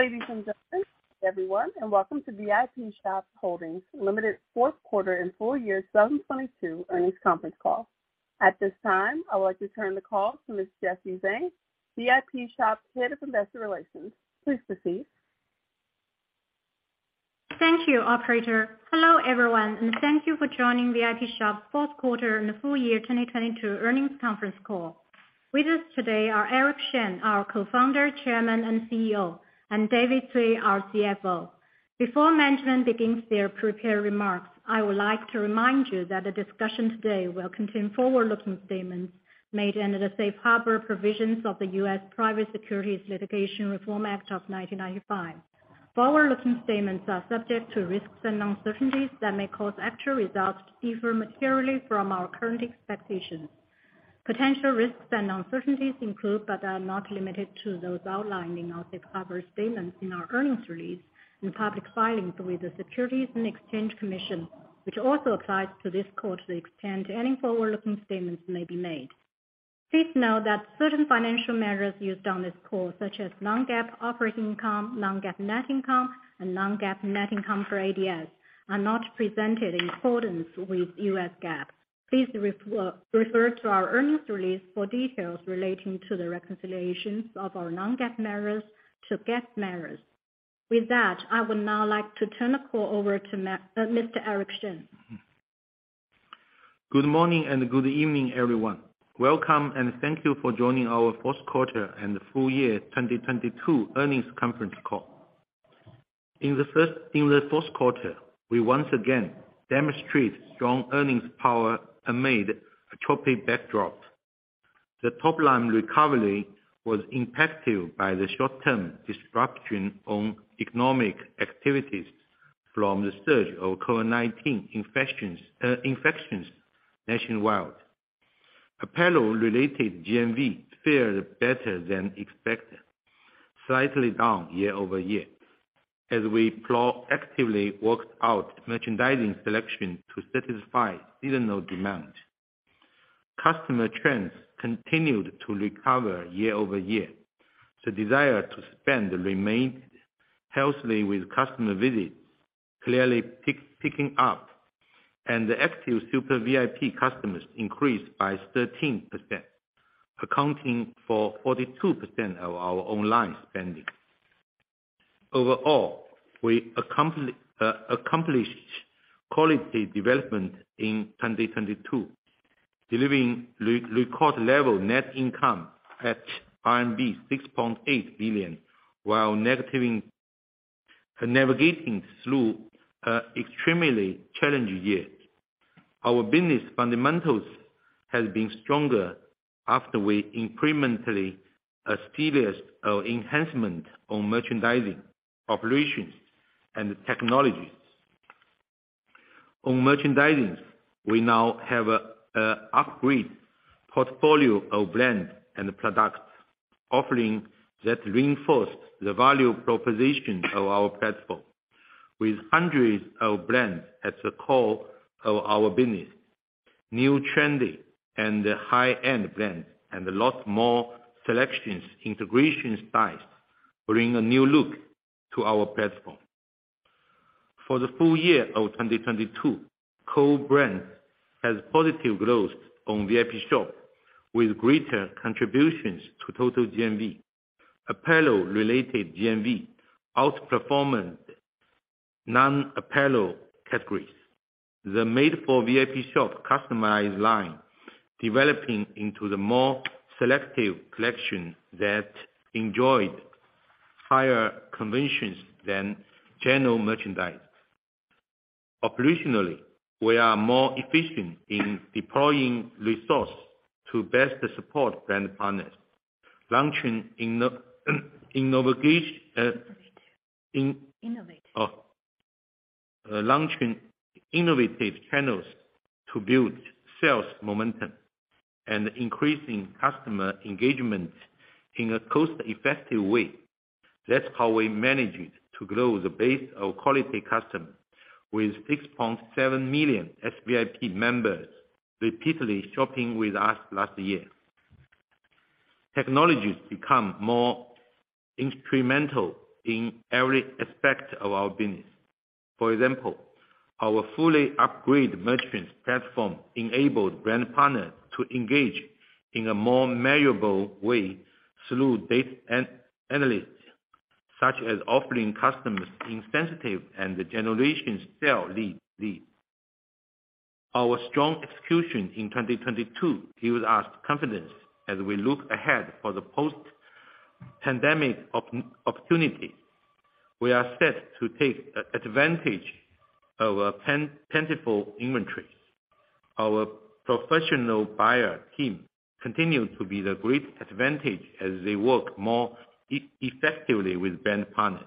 Ladies and gentlemen, everyone, welcome to Vipshop Holdings Limited fourth quarter and full year 2022 earnings conference call. At this time, I would like to turn the call to Ms. Jessie Zheng, Vipshop Head of Investor Relations. Please proceed. Thank you operator. Hello everyone, and thank you for joining Vipshop fourth quarter and full year 2022 earnings conference call. With us today are Eric Shen, our Co-founder, Chairman, and CEO, and David Cui, our CFO. Before management begins their prepared remarks, I would like to remind you that the discussion today will contain forward-looking statements made under the Safe Harbor Provisions of the U.S. Private Securities Litigation Reform Act of 1995. Forward-looking statements are subject to risks and uncertainties that may cause actual results to differ materially from our current expectations. Potential risks and uncertainties include, but are not limited to, those outlined in our safe harbor statements in our earnings release and public filings with the Securities and Exchange Commission, which also applies to this call to the extent any forward-looking statements may be made. Please note that certain financial measures used on this call, such as non-GAAP operating income, non-GAAP net income and non-GAAP net income for ADS, are not presented in accordance with U.S. GAAP. Please refer to our earnings release for details relating to the reconciliations of our non-GAAP measures to GAAP measures. With that, I would now like to turn the call over to Mr. Eric Shen. Good morning and good evening, everyone. Welcome and thank you for joining our fourth quarter and full year 2022 earnings conference call. In the fourth quarter, we once again demonstrated strong earnings power amid a choppy backdrop. The top-line recovery was impacted by the short-term disruption on economic activities from the surge of COVID-19 infections nationwide. Apparel-related GMV fared better than expected, slightly down year-over-year as we proactively worked out merchandising selection to satisfy seasonal demand. Customer trends continued to recover year-over-year. The desire to spend remained healthily with customer visits clearly picking up and the active Super VIP customers increased by 13%, accounting for 42% of our online spending. Overall, we accomplished quality development in 2022, delivering record level net income at RMB 6.8 billion, while navigating through a extremely challenging year. Our business fundamentals has been stronger after we incrementally a series of enhancement on merchandising, operations and technology. On merchandising, we now have a upgrade portfolio of brands and products, offering that reinforce the value proposition of our platform with hundreds of brands at the core of our business, new trending and the high-end brands and a lot more selections, integration styles bring a new look to our platform. For the full year of 2022, core brands has positive growth on Vipshop with greater contributions to total GMV. Apparel related GMV outperforming non-apparel categories. The Made for Vipshop customized line developing into the more selective collection that enjoyed higher conversions than general merchandise. Operationally, we are more efficient in deploying resource to best support brand partners. Launching innovation- Innovate. Launching innovative channels to build sales momentum and increasing customer engagement in a cost-effective way. That's how we managed to grow the base of quality customers with 6.7 million SVIP members repeatedly shopping with us last year. Technologies become more instrumental in every aspect of our business. For example, our fully upgraded merchants platform enabled brand partners to engage in a more measurable way through data analysis, such as offering customers incentive and the generation sale lead. Our strong execution in 2022 gives us confidence as we look ahead for the post-pandemic opportunity. We are set to take advantage of pent-up inventory. Our professional buyer team continue to be the great advantage as they work more effectively with brand partners.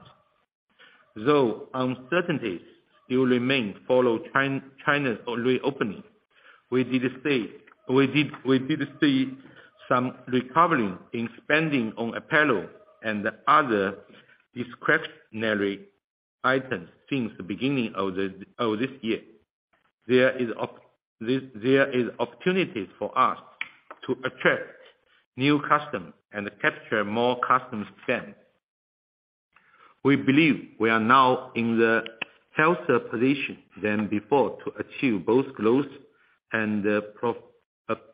Though uncertainties still remain follow China's reopening, we did see some recovery in spending on apparel and other discretionary items since the beginning of this year. There is opportunities for us to attract new customers and capture more customer spend. We believe we are now in the healthier position than before to achieve both growth and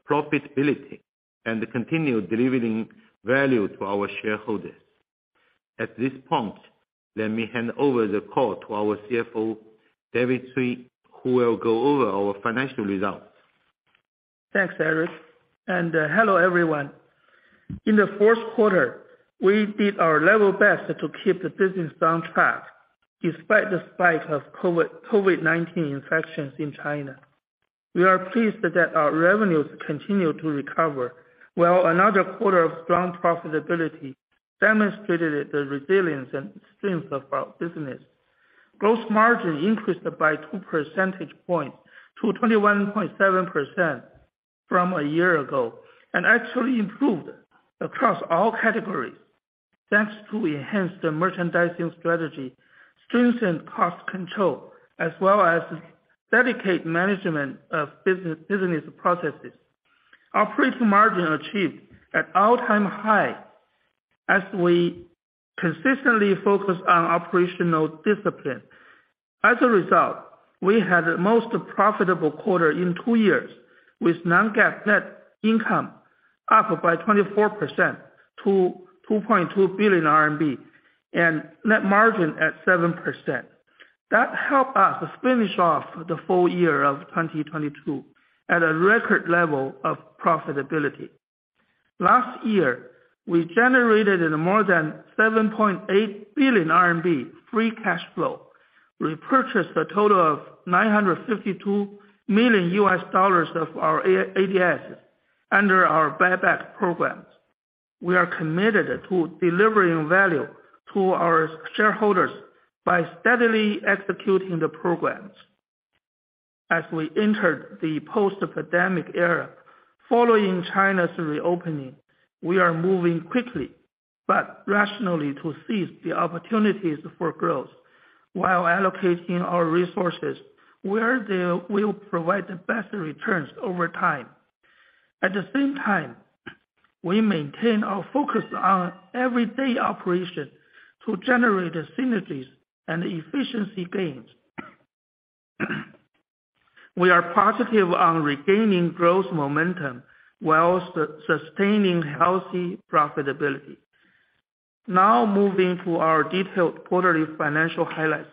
profitability and continue delivering value to our shareholders. At this point, let me hand over the call to our CFO, David Cui, who will go over our financial results. Thanks, Eric. Hello, everyone. In the fourth quarter, we did our level best to keep the business on track despite the spike of COVID-19 infections in China. We are pleased that our revenues continue to recover, while another quarter of strong profitability demonstrated the resilience and strength of our business. Gross margin increased by 2 percentage points to 21.7% from a year ago, and actually improved across all categories, thanks to enhanced merchandising strategy, strengthened cost control, as well as dedicated management of business processes. Operating margin achieved an all-time high as we consistently focus on operational discipline. As a result, we had the most profitable quarter in two years, with non-GAAP net income up by 24% to 2.2 billion RMB and net margin at 7%. That helped us finish off the full year of 2022 at a record level of profitability. Last year, we generated more than 7.8 billion RMB free cash flow. We purchased a total of $952 million of our ADS under our buyback programs. We are committed to delivering value to our shareholders by steadily executing the programs. As we entered the post-pandemic era, following China's reopening, we are moving quickly but rationally to seize the opportunities for growth while allocating our resources where they will provide the best returns over time. At the same time, we maintain our focus on everyday operations to generate synergies and efficiency gains. We are positive on regaining growth momentum whilst sustaining healthy profitability. Moving to our detailed quarterly financial highlights.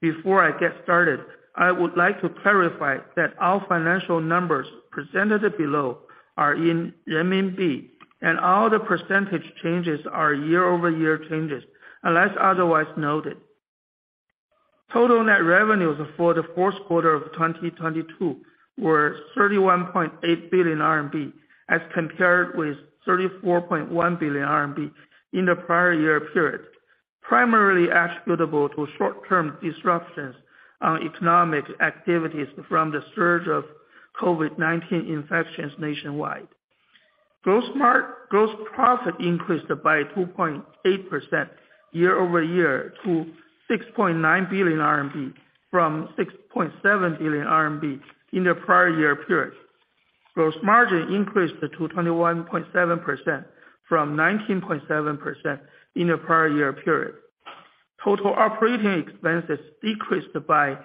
Before I get started, I would like to clarify that all financial numbers presented below are in RMB, and all the percentage changes are year-over-year changes, unless otherwise noted. Total net revenues for the fourth quarter of 2022 were 31.8 billion RMB, as compared with 34.1 billion RMB in the prior year period, primarily attributable to short-term disruptions on economic activities from the surge of COVID-19 infections nationwide. Gross profit increased by 2.8% year-over-year to 6.9 billion RMB from 6.7 billion RMB in the prior year period. Gross margin increased to 21.7% from 19.7% in the prior year period. Total operating expenses decreased by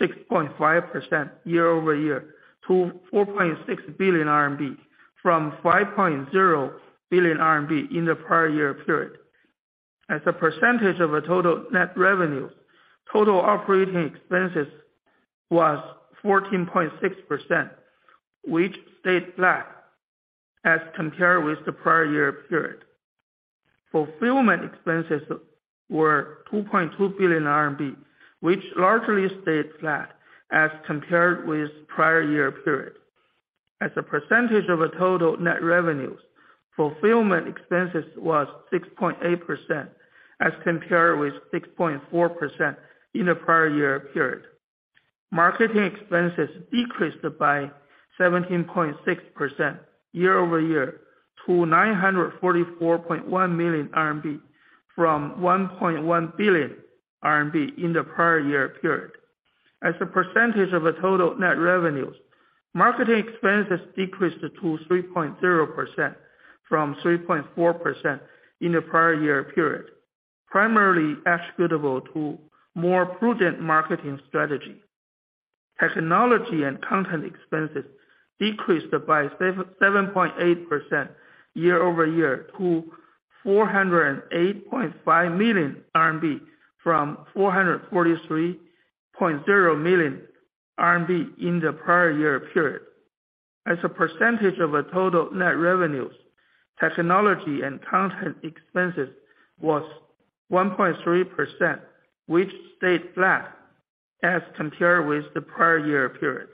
6.5% year-over-year to 4.6 billion RMB from 5.0 billion RMB in the prior year period. As a percentage of our total net revenues, total operating expenses was 14.6%, which stayed flat as compared with the prior year period. Fulfillment expenses were 2.2 billion RMB, which largely stayed flat as compared with prior year period. As a percentage of our total net revenues, fulfillment expenses was 6.8%, as compared with 6.4% in the prior year period. Marketing expenses decreased by 17.6% year-over-year to 944.1 million RMB from 1.1 billion RMB in the prior year period. As a percentage of our total net revenues, marketing expenses decreased to 3.0% from 3.4% in the prior year period, primarily attributable to more prudent marketing strategy. Technology and content expenses decreased by 7.8% year-over-year to 408.5 million RMB from 443.0 million RMB in the prior year period. As a percentage of our total net revenues, technology and content expenses was 1.3%, which stayed flat as compared with the prior year period.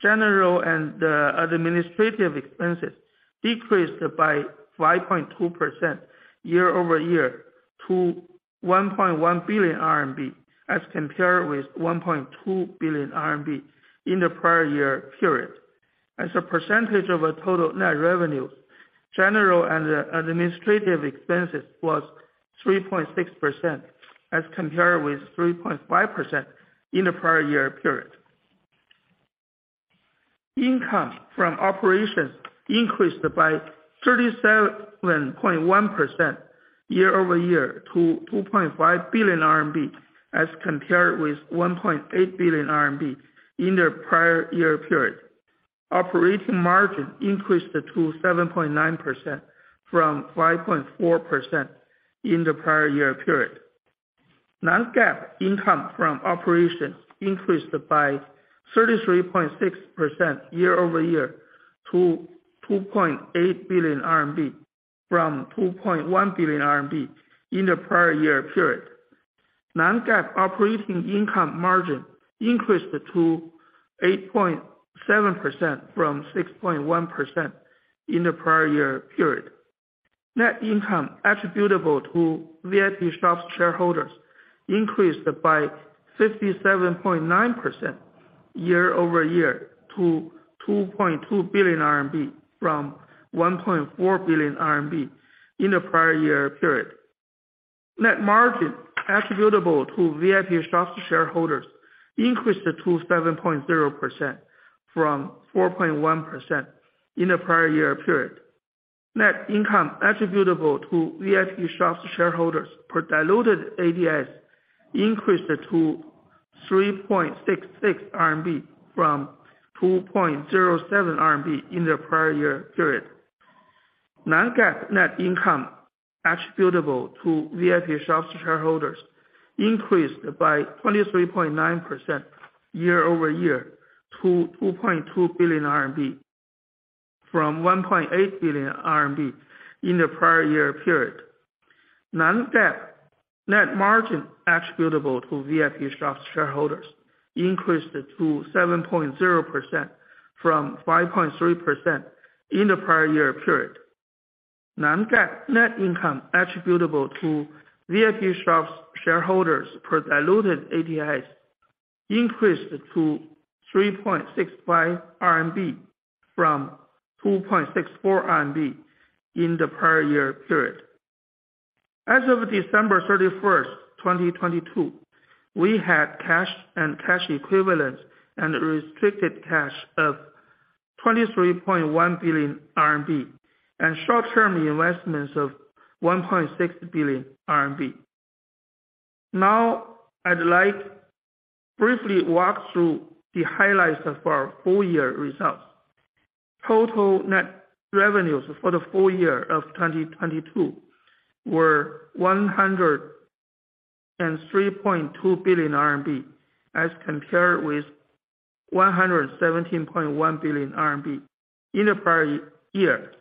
General and administrative expenses decreased by 5.2% year-over-year to 1.1 billion RMB as compared with 1.2 billion RMB in the prior year period. As a percentage of our total net revenues, general and administrative expenses was 3.6% as compared with 3.5% in the prior year period. Income from operations increased by 37.1% year-over-year to 2.5 billion RMB as compared with 1.8 billion RMB in the prior year period. Operating margin increased to 7.9% from 5.4% in the prior year period. non-GAAP income from operations increased by 33.6% year-over-year to 2.8 billion RMB from 2.1 billion RMB in the prior year period. non-GAAP operating income margin increased to 8.7% from 6.1% in the prior year period. Net income attributable to Vipshop's shareholders increased by 57.9% year-over-year to 2.2 billion RMB from 1.4 billion RMB in the prior year period. Net margin attributable to Vipshop's shareholders increased to 7.0% from 4.1% in the prior year period. Net income attributable to Vipshop's shareholders per diluted ADS increased to 3.66 RMB from 2.07 RMB in the prior year period. Non-GAAP net income attributable to Vipshop's shareholders increased by 23.9% year-over-year to 2.2 billion RMB from 1.8 billion RMB in the prior year period. Non-GAAP net margin attributable to Vipshop's shareholders increased to 7.0% from 5.3% in the prior year period. Non-GAAP net income attributable to Vipshop's shareholders per diluted ADS increased to 3.65 RMB from 2.64 RMB in the prior year period. As of December 31st, 2022, we had cash and cash equivalents and restricted cash of 23.1 billion RMB, and short-term investments of 1.6 billion RMB. Now, I'd like briefly walk through the highlights of our full year results. Total net revenues for the full year of 2022 were 103.2 billion RMB as compared with 117.1 billion RMB in the prior year.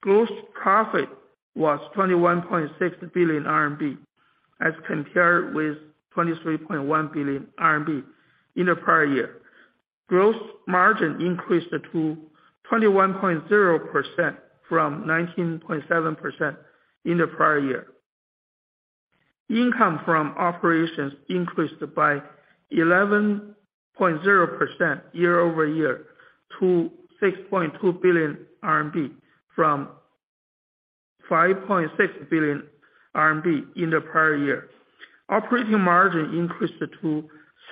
Gross profit was 21.6 billion RMB as compared with 23.1 billion RMB in the prior year. Gross margin increased to 21.0% from 19.7% in the prior year. Income from operations increased by 11.0% year-over-year to 6.2 billion RMB from 5.6 billion RMB in the prior year. Operating margin increased to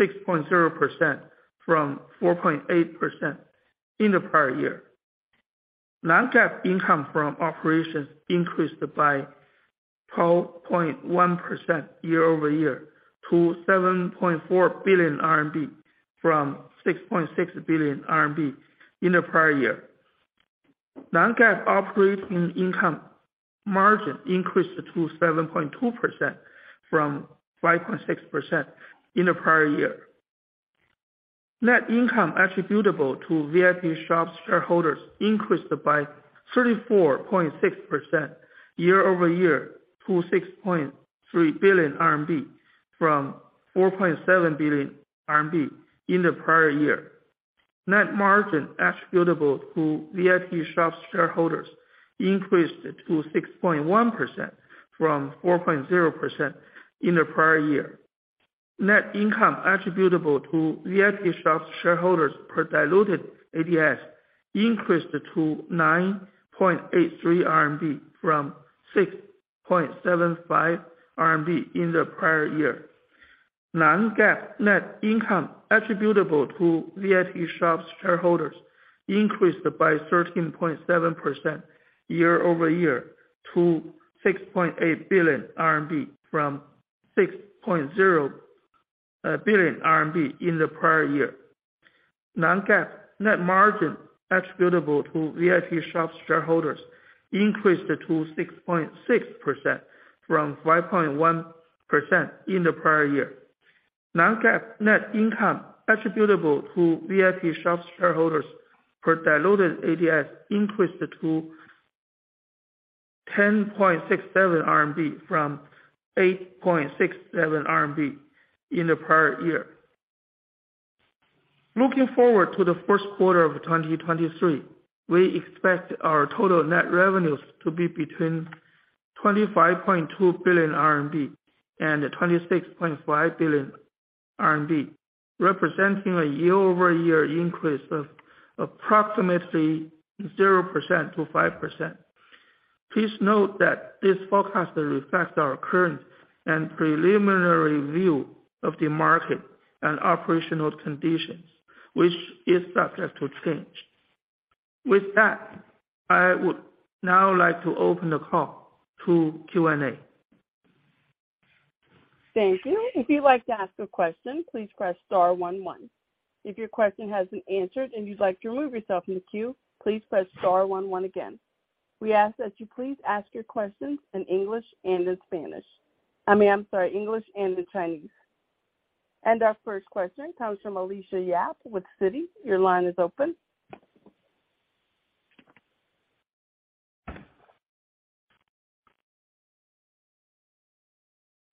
6.0% from 4.8% in the prior year. Non-GAAP income from operations increased by 12.1% year-over-year to 7.4 billion RMB from 6.6 billion RMB in the prior year. Non-GAAP operating income margin increased to 7.2% from 5.6% in the prior year. Net income attributable to Vipshop's shareholders increased by 34.6% year-over-year to 6.3 billion RMB from 4.7 billion RMB in the prior year. Net margin attributable to Vipshop's shareholders increased to 6.1% from 4.0% in the prior year. Net income attributable to Vipshop's shareholders per diluted ADS increased to 9.83 from 6.75 in the prior year. Non-GAAP net income attributable to Vipshop's shareholders increased by 13.7% year-over-year to RMB 6.8 billion from RMB 6.0 billion in the prior year. non-GAAP net margin attributable to Vipshop's shareholders increased to 6.6% from 5.1% in the prior year. non-GAAP net income attributable to Vipshop's shareholders per diluted ADS increased to RMB 10.67 from 8.67 RMB in the prior year. Looking forward to the first quarter of 2023, we expect our total net revenues to be between 25.2 billion RMB and 26.5 billion RMB, representing a year-over-year increase of approximately 0%-5%. Please note that this forecast reflects our current and preliminary view of the market and operational conditions, which is subject to change. With that, I would now like to open the call to Q&A. Thank you. If you'd like to ask a question, please press star one one. If your question has been answered and you'd like to remove yourself from the queue, please press star one one again. We ask that you please ask your questions in English and in Spanish. I mean, I'm sorry, English and in Chinese. Our first question comes from Alicia Yap with Citi. Your line is open.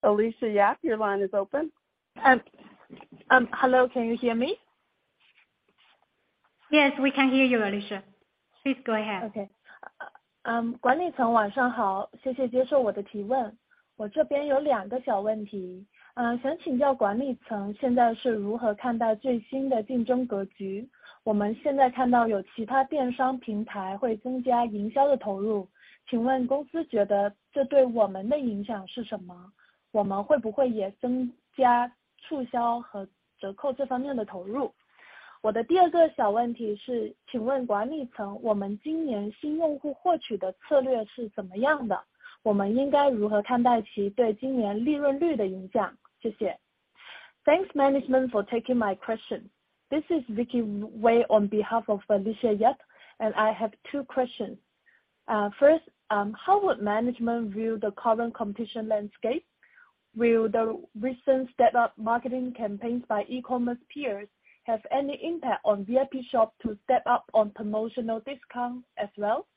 Alicia Yap, your line is open. Hello, can you hear me? Yes, we can hear you, Alicia. Please go ahead. Okay. Thanks management for taking my question. This is Vicky Wei on behalf of Alicia Yap. I have two questions. First, how would management view the current competition landscape? Will the recent step-up marketing campaigns by e-commerce peers have any impact on Vipshop to step up on promotional discounts as well?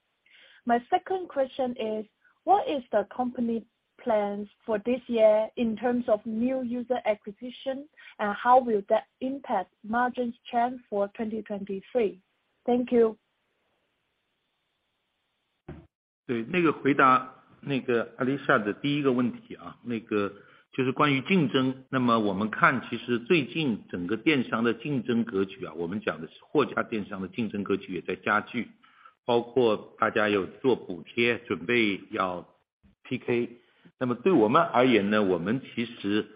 My second question is: What is the company plans for this year in terms of new user acquisition? How will that impact margins trend for 2023? Thank you. 回答 Alicia Yap 的第一个问题 啊, 就是关于 竞争. 我们看其实最近整个电商的竞争格局 啊, 我们讲的是货架电商的竞争格局也在 加剧, 包括大家要做 补贴, 准备要 PK. 对我们而言 呢, 我们 其实,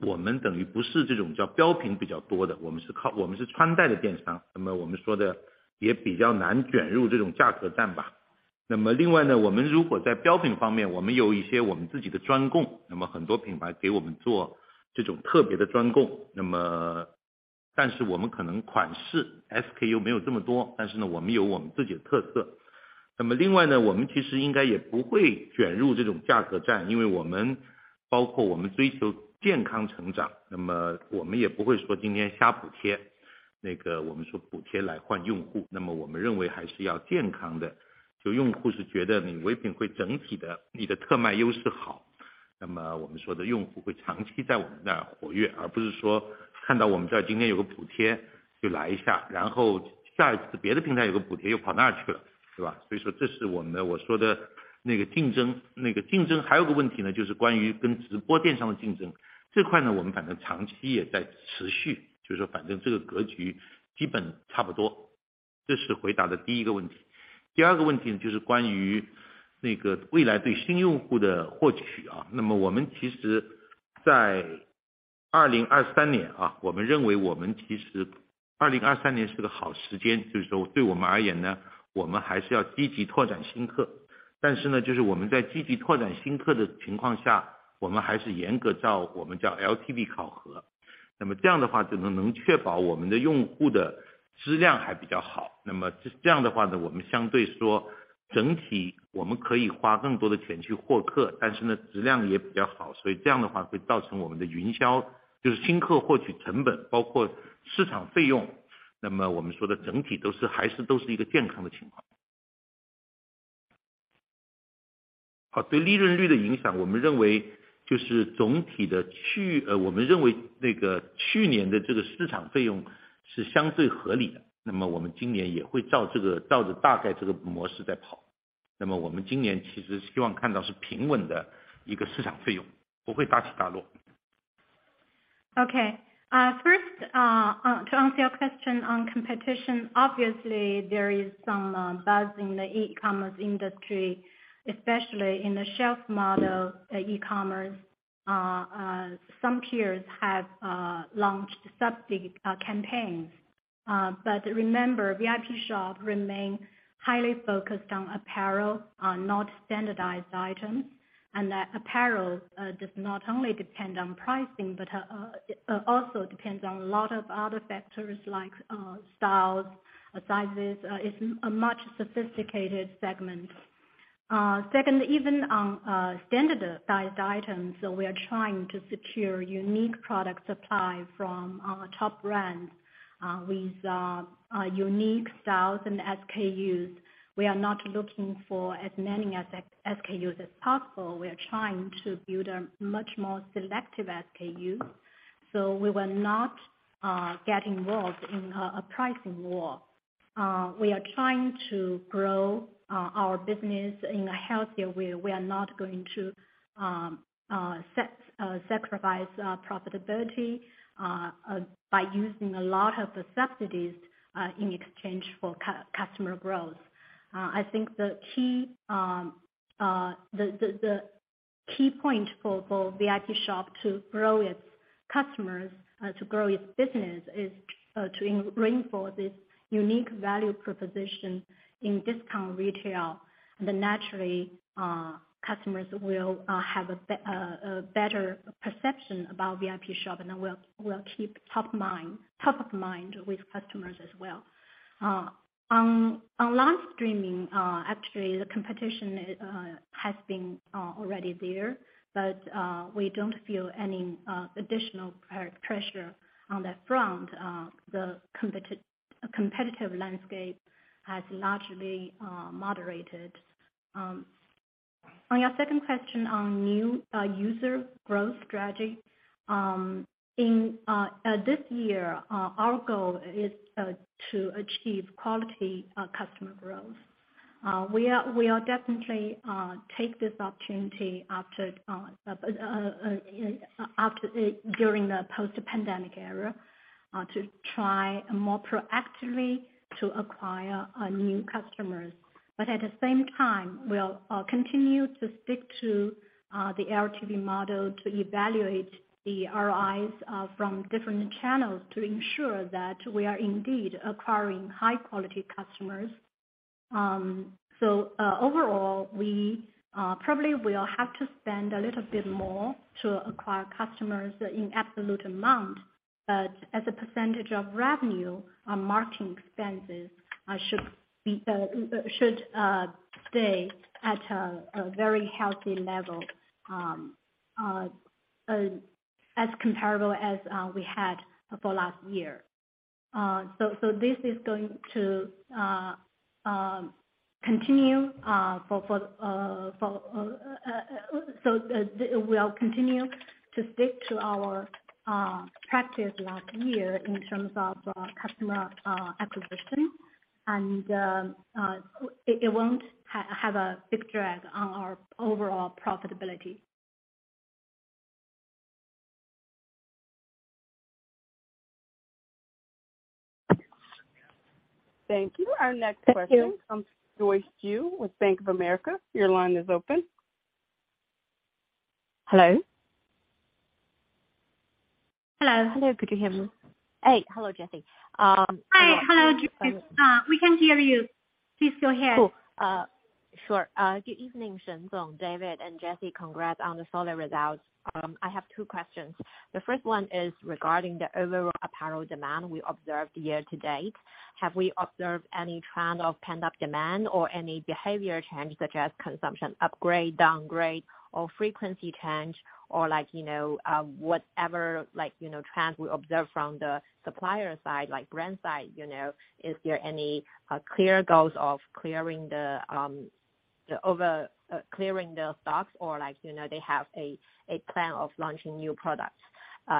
我们等于不是这种叫标品比较多 的, 我们是 靠, 我们是穿戴的 电商, 我们说的也比较难卷入这种价格战 吧. 另外 呢, 我们如果在标品 方面, 我们有一些我们自己的 专供, 很多品牌给我们做这种特别的 专供, 但是我们可能款式 SKU 没有这么 多, 但是呢我们有我们自己的 特色. 另外 呢, 我们其实应该也不会卷入这种 价格战, 因为我们包括我们追求健康 成长, 我们也不会说今天瞎 补贴, 我们说补贴来换 用户, 我们认为还是要健康 的, 就用户是觉得你 Vipshop 整体的你的特卖优势 好, 我们说的用户会长期在我们这 活跃, 而不是说看到我们在今天有个补贴就来 一下, 然后下一次别的平台有个补贴又跑那 去了, 是 吧? 这是我们 Okay. First, to answer your question on competition, obviously there is some buzz in the e-commerce industry, especially in the shelf model e-commerce. Some peers have launched subsidy campaigns. Remember, Vipshop remain highly focused on apparel, not standardized items. That apparel does not only depend on pricing, but also depends on a lot of other factors like styles, sizes. It's a much sophisticated segment. Second, even on standardized items, we are trying to secure unique product supply from our top brands with unique styles and SKUs. We are not looking for as many SKUs as possible. We are trying to build a much more selective SKU, so we will not get involved in a pricing war. We are trying to grow our business in a healthier way. We are not going to set sacrifice profitability by using a lot of the subsidies in exchange for customer growth. I think the key point for Vipshop to grow its customers, to grow its business, is to reinforce this unique value proposition in discount retail. Naturally, customers will have a better perception about Vipshop and will keep top of mind with customers as well. On live streaming, actually the competition has been already there, but we don't feel any additional pressure on that front. The competitive landscape has largely moderated. On your second question on new user growth strategy. In this year, our goal is to achieve quality customer growth. We are definitely take this opportunity after during the post-pandemic era to try more proactively to acquire new customers. But at the same time, we'll continue to stick to the LTV model to evaluate the ROI from different channels to ensure that we are indeed acquiring high quality customers. Overall, we probably will have to spend a little bit more to acquire customers in absolute amount, but as a percentage of revenue, our marketing expenses should be should stay at a very healthy level as comparable as we had for last year. This is going to continue. We'll continue to stick to our practice last year in terms of customer acquisition. It won't have a big drag on our overall profitability. Thank you. Our next question. Thank you. Comes from Joyce Ju with Bank of America. Your line is open. Hello? Hello. Hello, could you hear me? Hey, hello, Jesse. Hi, hello, Joyce. We can hear you. Please go ahead. Cool. Sure. Good evening, Shen Zong, David, and Jesse. Congrats on the solid results. I have two questions. The first one is regarding the overall apparel demand we observed year to date. Have we observed any trend of pent-up demand or any behavior change, such as consumption upgrade, downgrade, or frequency change, or like, you know, whatever, like, you know, trends we observe from the supplier side, like brand side, you know, is there any clear goals of clearing the stocks or like, you know, they have a plan of launching new products?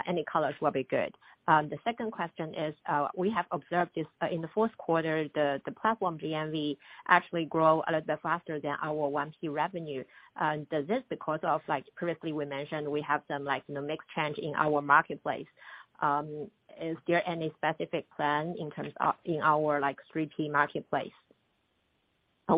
Any colors will be good. The second question is, we have observed this in the fourth quarter, the platform GMV actually grow a little bit faster than our 1P revenue. Is this because of like previously we mentioned we have some like, you know, mix change in our marketplace? Is there any specific plan in terms of in our like 3P marketplace? 那个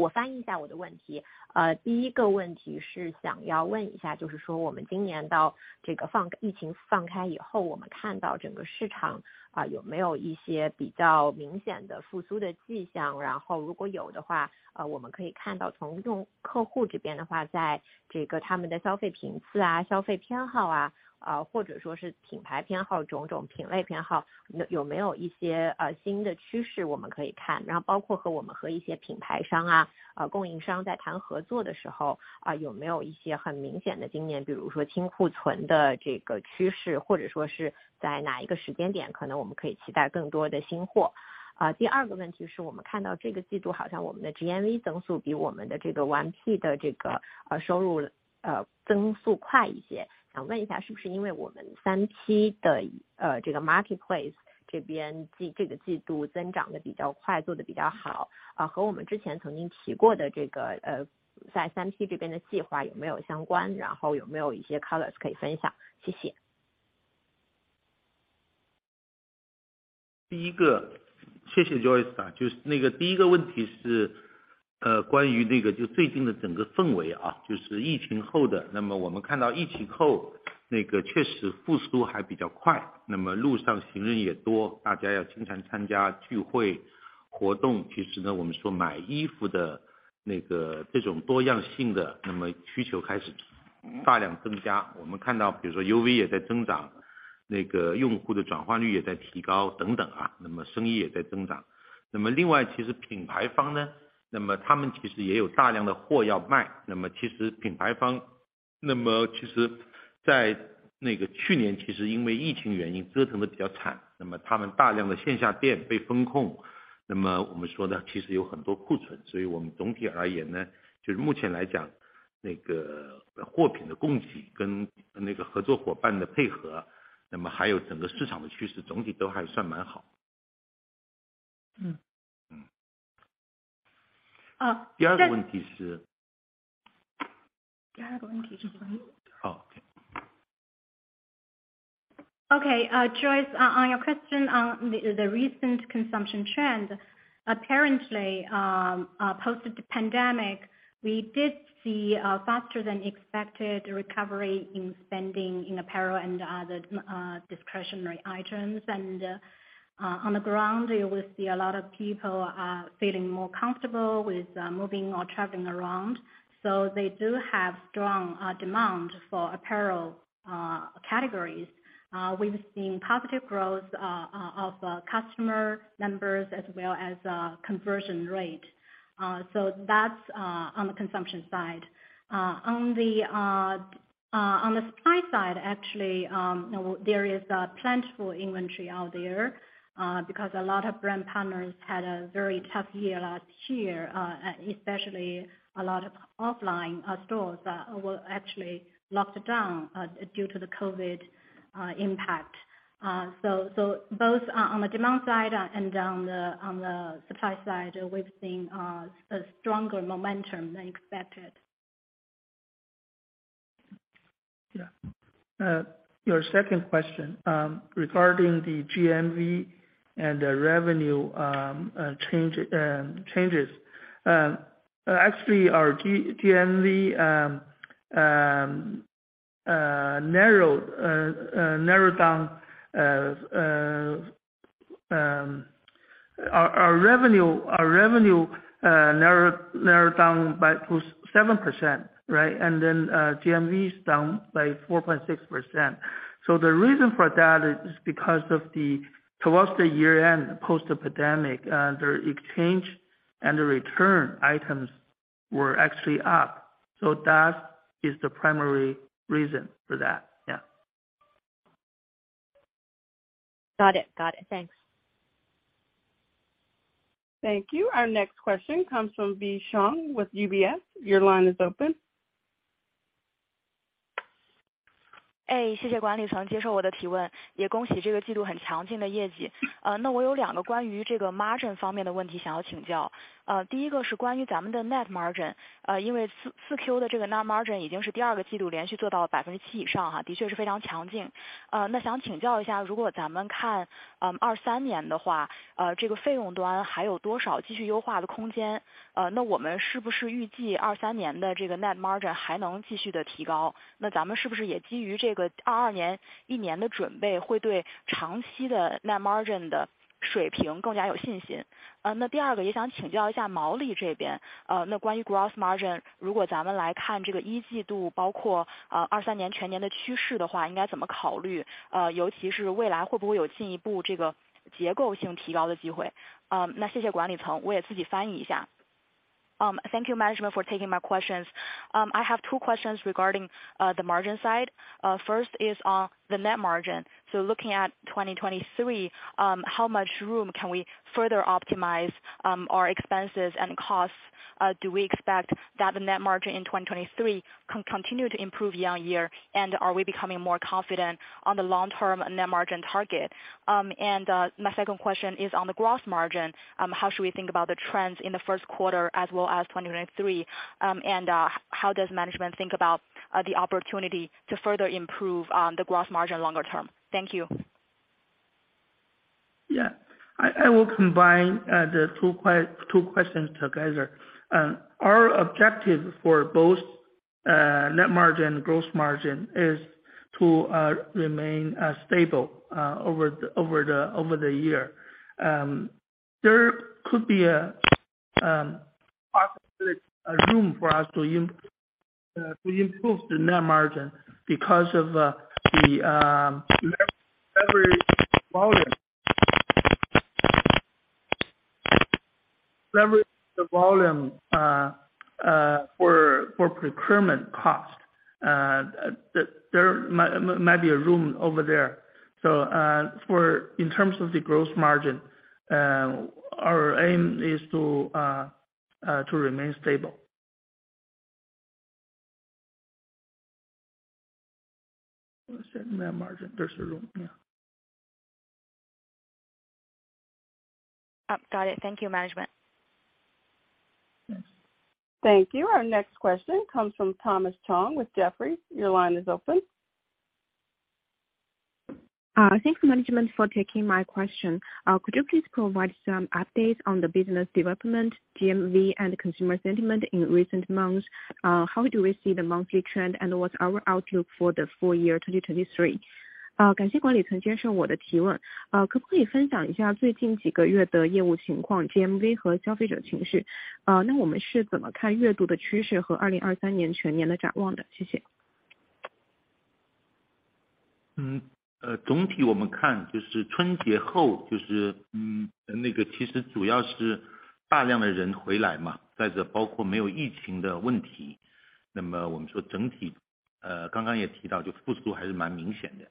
货品的供给跟那个合作伙伴的配 合， 那么还有整个市场的趋 势， 总体都还算蛮好。嗯。嗯。啊，这-第二个问题 是？ 第二个问题请翻译。哦, OK. Okay. Joyce, on your question on the recent consumption trend, apparently, post the pandemic, we did see a faster than expected recovery in spending in apparel and other discretionary items. On the ground, you will see a lot of people feeling more comfortable with moving or traveling around. They do have strong demand for apparel categories. We've seen positive growth of customer numbers as well as conversion rate. That's on the consumption side. On the supply side, actually, there is a plentiful inventory out there, because a lot of brand partners had a very tough year last year, especially a lot of offline stores, were actually locked down, due to the COVID impact. Both on the demand side and on the supply side, we've seen a stronger momentum than expected. Yeah. Your second question, regarding the GMV and the revenue, change, changes. Actually our GMV narrowed down our revenue narrowed down by to 7%, right? Then GMV is down by 4.6%. The reason for that is because of the towards the year-end post the pandemic, the exchange and the return items were actually up. That is the primary reason for that, yeah. Got it. Got it. Thanks. Thank you. Our next question comes from Wei Xiong with UBS. Your line is open. 谢谢管理层接受我的提问，也恭喜这个季度很强劲的业绩。我有2个关于这个 margin 方面的问题想要请教。第一个是关于咱们的 net margin，因为 4Q 的这个 net margin 已经是第二个季度连续做到了 7% 以上哈，的确是非常强劲。那想请教一下，如果咱们看 2023 年的话，这个费用端还有多少继续优化的空间？那我们是不是预计 2023 年的这个 net margin 还能继续地提高？那咱们是不是也基于这个 2022 年一年的准备，会对长期的 net margin 的水平更加有信心？那第二个也想请教一下毛利这边，那关于 gross margin，如果咱们来看这个第一季度，包括 2023 年全年的趋势的话，应该怎么考虑？尤其是未来会不会有进一步这个结构性提高的机会？那谢谢管理层，我也自己翻译一下。Thank you management for taking my questions. I have two questions regarding the margin side. First is on the net margin. Looking at 2023, how much room can we further optimize our expenses and costs? Do we expect that the net margin in 2023 continue to improve year-on-year? Are we becoming more confident on the long-term net margin target? My second question is on the gross margin. How should we think about the trends in the first quarter as well as 2023? How does management think about the opportunity to further improve the gross margin longer term? Thank you. I will combine the two questions together. Our objective for both net margin, gross margin is to remain stable over the year. There could be a room for us to improve the net margin because of the volume, leverage the volume, for procurement cost, that there might be a room over there. For in terms of the gross margin, our aim is to remain stable. Net margin there's a room. Oh, got it. Thank you management. Thanks。Thank you. Our next question comes from Thomas Chong with Jefferies. Your line is open. Thanks management for taking my question. Could you please provide some updates on the business development, GMV and consumer sentiment in recent months? How do we see the monthly trend and what's our outlook for the full year 2023? 嗯。总体我们看就是春节 后， 就 是， 嗯， 那个其实主要是大量的人回来 嘛， 再者包括没有疫情的问 题， 那么我们说整 体， 呃， 刚刚也提 到， 就复苏还是蛮明显的。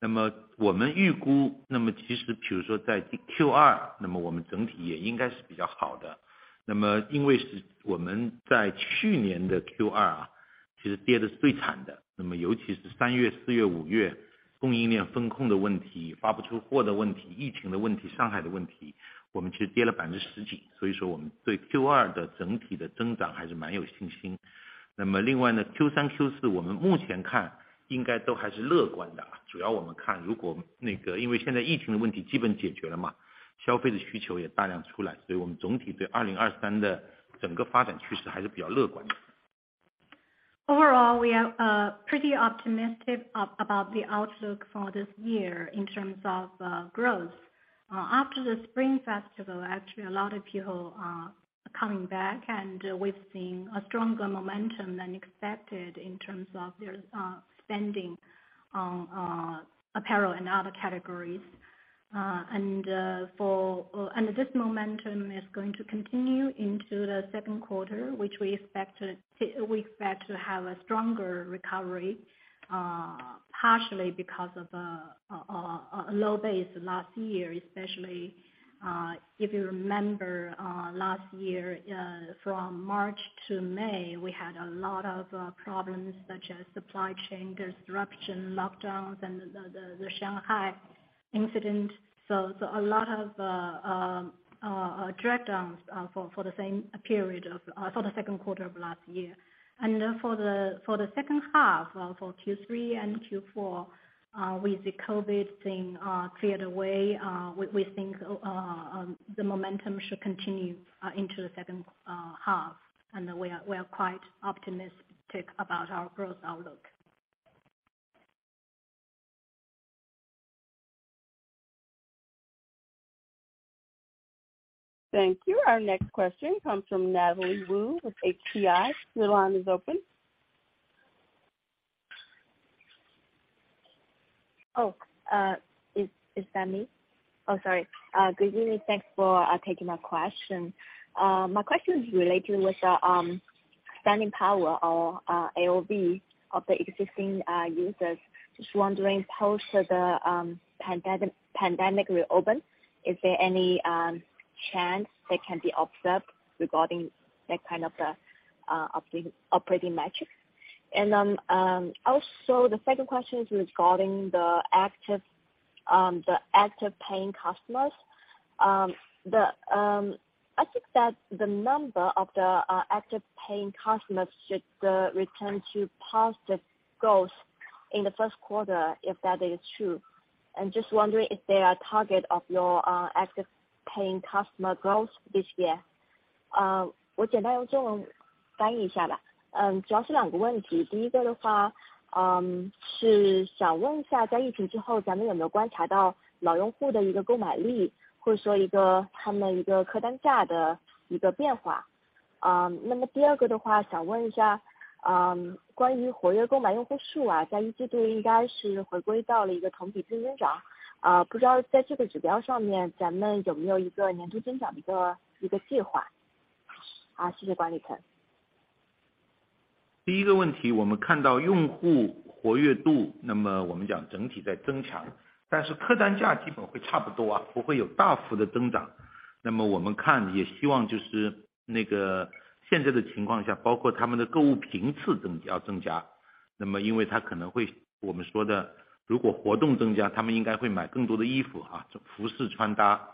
那么我们预 估， 那么其实比如说在 Q2， 那么我们整体也应该是比较好的。那么因为是我们在去年的 Q2 啊， 其实跌得最惨 的， 那么尤其是三月、四月、五月，供应链封控的问 题， 发不出货的问 题， 疫情的问 题， 上海的问 题， 我们其实跌了百分之十 几， 所以说我们对 Q2 的整体的增长还是蛮有信心。那么另外 呢， Q3、Q4 我们目前看应该都还是乐观的 啊， 主要我们看如果那 个， 因为现在疫情的问题基本解决了 嘛， 消费的需求也大量出 来， 所以我们总体对2023的整个发展趋势还是比较乐观的。Overall, we are pretty optimistic about the outlook for this year in terms of growth. After the Spring Festival, actually a lot of people are coming back and we've seen a stronger momentum than expected in terms of their spending on apparel and other categories. This momentum is going to continue into the second quarter, which we expect to have a stronger recovery, partially because of a low base last year especially, if you remember, last year, from March to May, we had a lot of problems such as supply chain disruption, lockdowns and the Shanghai incident. A lot of drag downs for the same period of for the second quarter of last year. For the second half, for Q3 and Q4, with the COVID thing cleared away, we think the momentum should continue into the second half, and we are quite optimistic about our growth outlook. Thank you. Our next question comes from Natalie Wu with HCI. Your line is open. Is that me? Sorry. Good evening. Thanks for taking my question. My question is related with spending power or AOV of the existing users. Just wondering post the pandemic reopen, is there any chance that can be observed regarding that kind of operating metrics? Also the second question is regarding the active paying customers. I think that the number of the active paying customers should return to positive growth in the first quarter, if that is true, I'm just wondering if they are target of your active paying customer growth this year. 我简单用中文翻译一下吧。主要是两个问 题， 第一个的 话， 是想问一 下， 在 COVID-19 之后咱们有没有观察到老用户的一个购买 力， 或者说一个他们一个客单价的一个变化。那么第二个的 话， 想问一 下， 关于活跃购买用户 数， 在 first quarter 应该是回归到了一个同比正增长，不知道在这个指标上面咱们有没有一个年终增长的一 个， 一个计划。谢谢管理层。第一个问 题， 我们看到用户活跃 度， 那么我们讲整体在增 强， 但是客单价基本会差不多 啊， 不会有大幅的增长。那么我们看也希望就是那个现在的情况 下， 包括他们的购物频次增要增 加， 那么因为他可能会我们说的如果活动增 加， 他们应该会买更多的衣服 啊， 这服饰穿 搭，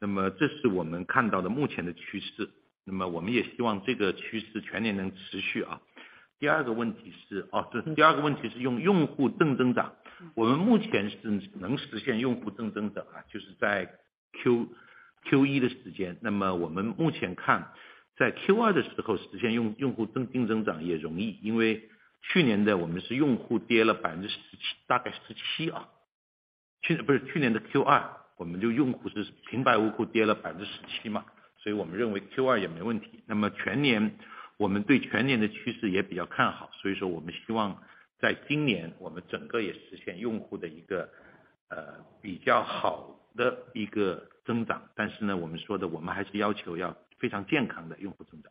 那么这是我们看到的目前的趋 势， 那么我们也希望这个趋势全年能持续啊。第二个问题 是， 啊这第二个问题是用用户正增 长， 我们目前是能实现用户正增 长， 就是在 Q, Q1 的时 间， 那么我们目前看在 Q2 的时候实现用-用户增-正增长也容 易， 因为去年的我们是用户跌了百分之十 七， 大概十七 啊， 去， 不是去年的 Q2， 我们就用户是平白无故跌了百分之十七 嘛， 所以我们认为 Q2 也没问 题， 那么全年我们对全年的趋势也比较看 好， 所以说我们希望在今年我们整个也实现用户的一个 呃， 比较好的一个增长。但是 呢， 我们说的我们还是要求要非常健康的用户增长。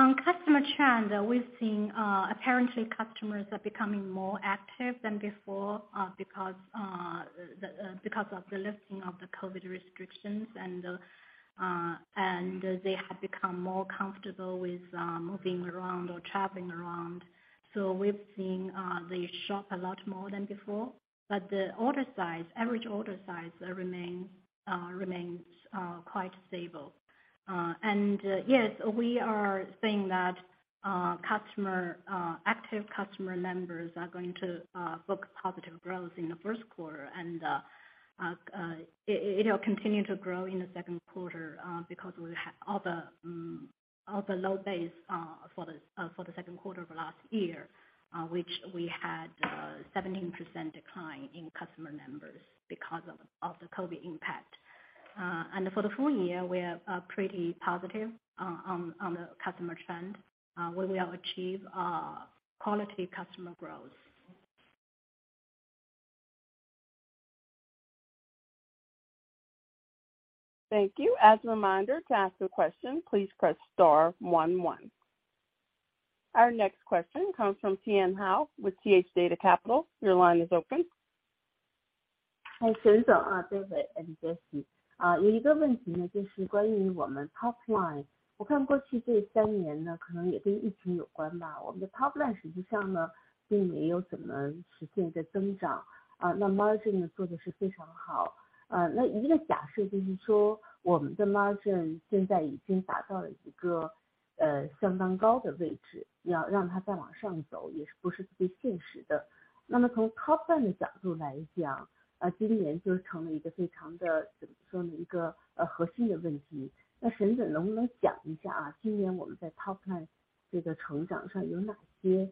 On customer trend, we're seeing apparently customers are becoming more active than before, because of the lifting of the COVID restrictions and they have become more comfortable with moving around or traveling around. We've seen they shop a lot more than before, but the order size, average order size remains quite stable. Yes, we are seeing that customer active customer numbers are going to book positive growth in the first quarter and it will continue to grow in the second quarter, because we have other low base for the second quarter of last year, which we had a 17% decline in customer numbers because of the COVID impact. For the full year, we are pretty positive on the customer trend, where we have achieved quality customer growth. Thank you. As a reminder, to ask a question, please press star one one. Our next question comes from Tian Hou with TH Data Capital. Your line is open. 有一个问题 呢， 就是关于我们 topline。我看过去这三年 呢， 可能也跟疫情有关 吧， 我们的 topline 实际上 呢， 并没有怎么实现一个增长。那 margin 做的是非常好。那一个假设就是说我们的 margin 现在已经达到了一个相当高的位 置， 要让它再往上走也是不是特别现实的。那么从 topline 的角度来讲，今年就成为一个非常的怎么说 呢， 一个核心的问题。那沈总能不能讲一 下， 今年我们在 topline 这个成长上有哪些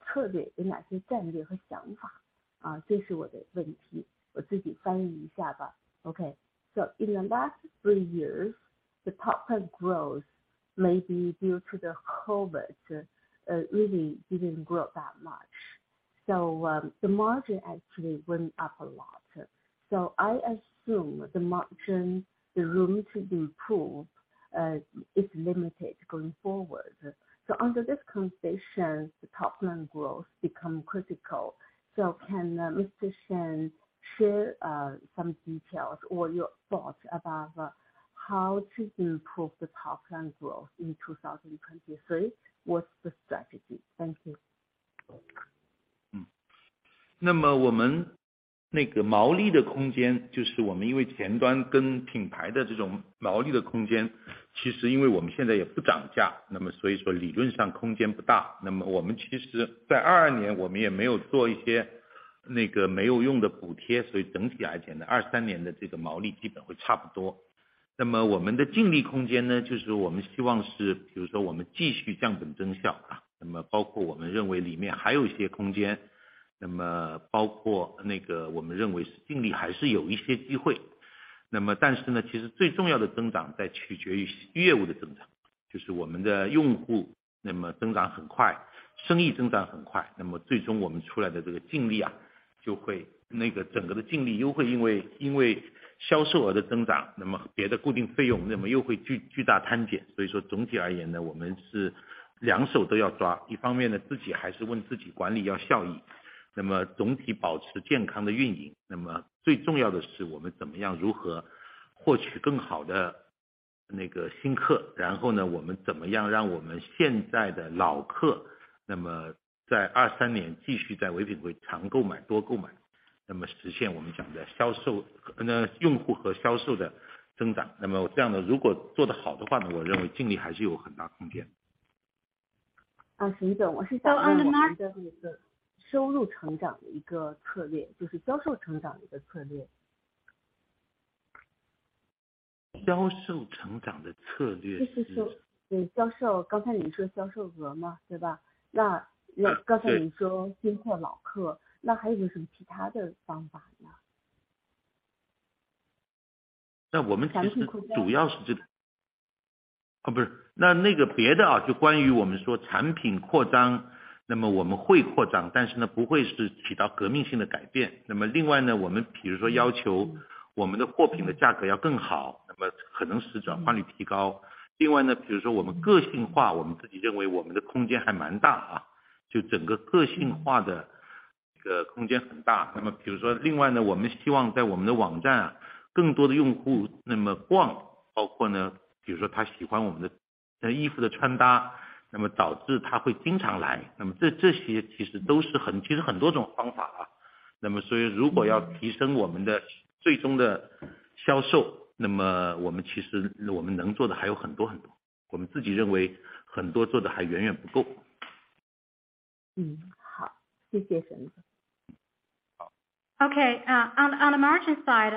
策 略， 有哪些战略和想 法？ 这是我的问 题， 我自己翻译一下吧。In the last three years, the topline growth maybe due to the COVID, really didn't grow up that much. The margin actually went up a lot. I assume the margin, the room to improve is limited going forward. Under this condition, the topline growth become critical. Can Mr. Shen share some details or your thoughts about how to improve the topline growth in 2023? What's the strategy? Thank you. 我们那个毛利的空 间， 就是我们因为前端跟品牌的这种毛利的空 间， 其实因为我们现在也不涨 价， 所以说理论上空间不大。我们其实在2022年我们也没有做一些那个没有用的补 贴， 整体而言 呢， 2023年的这个毛利基本会差不多。我们的净利空间 呢， 就是我们希望是比如说我们继续降本增效 啊， 包括我们认为里面还有一些空间，包括那个我们认为是净利还是有一些机会。但是 呢， 其实最重要的增长在取决于业务的增 长， 就是我们的用 户， 增长很 快， 生意增长很 快， 最终我们出来的这个净利 啊， 就会那个整个的净利又会因 为， 因为销售额的增 长， 别的固定费用又会巨大摊减。所以说总体而言 呢， 我们是两手都要抓。一方面呢自己还是问自己管理要效益，总体保持健康的运 营， 最重要的是我们怎么样如何获取更好的那个新 客， 然后呢我们怎么样让我们现在的老 客， 在2023年继续在 Vipshop 常购 买， 多购 买， 实现我们讲的销 售， 用户和销售的增 长， 这样的如果做得好的 话， 我认为净利还是有很大空间。啊沈 总， 我是的一个收入成长的一个策 略， 就是销售成长的一个策略。销售成长的策略是-就是说销 售， 刚才你说销售额 嘛， 对 吧？ 刚才你说激活老 客， 那还有没有什么其他的方法 呢？ 那个别 的, 就关于我们说产品扩 张. 我们会扩 张, 但是呢不会是起到革命性的改 变. 另外 呢, 我们比如说要求我们的货品的价格要更 好, 可能使转换率提 高. 另外 呢, 比如说我们个性 化, 我们自己认为我们的空间还蛮 大, 就整个个性化的这个空间很 大. 比如说另外 呢, 我们希望在我们的网站更多的用户那么 逛, 包括 呢, 比如说他喜欢我们的衣服的穿 搭, 导致他会经常 来. 这些其实都是 很, 其实很多种方 法. 所以如果要提升我们的最终的销 售, 我们其实我们能做的还有很多很 多, 我们自己认为很多做得还远远不 够. 嗯 好， 谢谢沈总。On the margin side,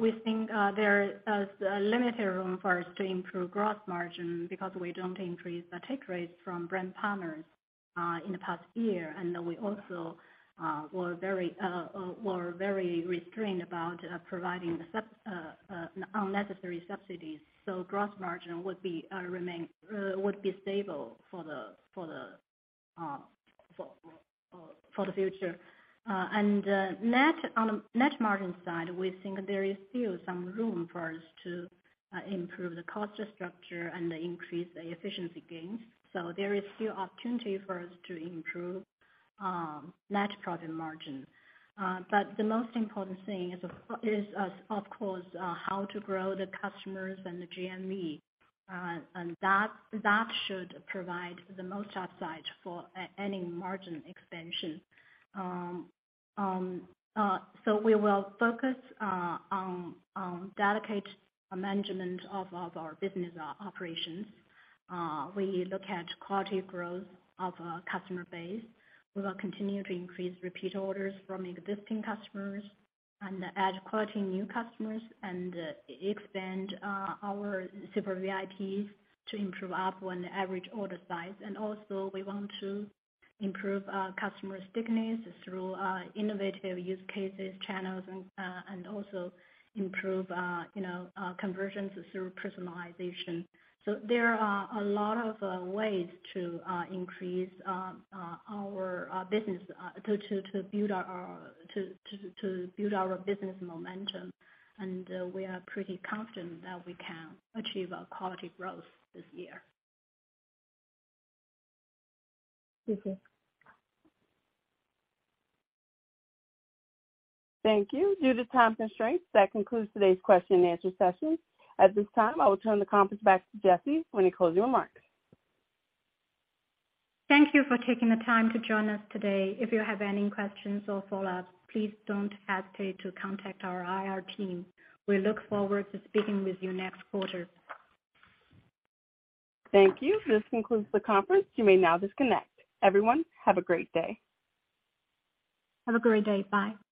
we think there is a limited room for us to improve gross margin, because we don't increase the take rates from brand partners in the past year. We also were very restrained about providing unnecessary subsidies. Gross margin would be remain, would be stable for the future. On net margin side, we think there is still some room for us to improve the cost structure and increase the efficiency gains. There is still opportunity for us to improve net profit margin. The most important thing is of course how to grow the customers and the GMV, and that should provide the most upside for any margin expansion. We will focus on delicate management of our business operations. We look at quality growth of customer base. We will continue to increase repeat orders from existing customers and add quality new customers and expand our Super VIPs to improve up on the average order size. Also we want to improve our customer stickiness through innovative use cases, channels and also improve you know conversions through personalization. There are a lot of ways to increase our business to build our business momentum. We are pretty confident that we can achieve a quality growth this year. 谢 谢. Thank you. Due to time constraints, that concludes today's question and answer session. At this time, I will turn the conference back to Jesse for any closing remarks. Thank you for taking the time to join us today. If you have any questions or follow-ups, please don't hesitate to contact our IR team. We look forward to speaking with you next quarter. Thank you. This concludes the conference. You may now disconnect. Everyone, have a great day. Have a great day. Bye.